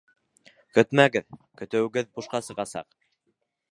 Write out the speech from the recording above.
Көтмәгеҙ, көтөүегеҙ бушҡа сығасаҡ.